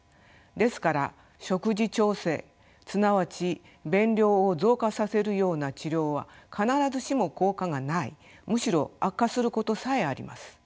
ですから食事調整すなわち便量を増加させるような治療は必ずしも効果がないむしろ悪化することさえあります。